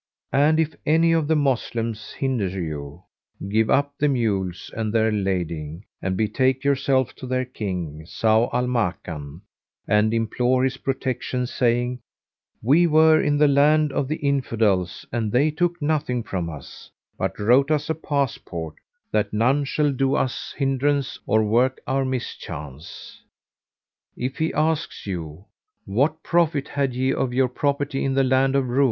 And if any of the Moslems hinder you, give up the mules and their lading and be take yourselves to their King, Zau al Makan, and implore his protection saying, 'We were in the land of the Infidels and they took nothing from us, but wrote us a passport, that none shall do us hindrance or work our mischance.' If he ask you, 'What profit had ye of your property in the land of Roum?'